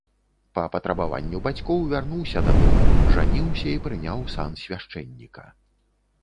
Па патрабаванню бацькоў вярнуўся дадому, жаніўся і прыняў сан свяшчэнніка.